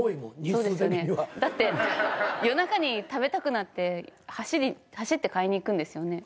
そうですよねだって夜中に食べたくなって走って買いに行くんですよね。